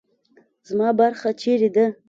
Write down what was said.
زما برخه چیرې ده؟